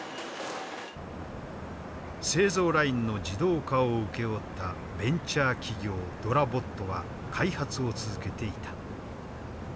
製造ラインの自動化を請け負ったベンチャー企業ｄｏｒａｂｏｔは開発を続けていた。